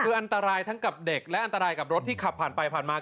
คืออันตรายทั้งกับเด็กและอันตรายกับรถที่ขับผ่านไปผ่านมา